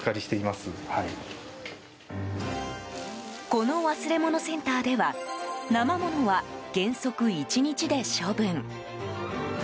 この忘れ物センターでは生ものは原則１日で処分。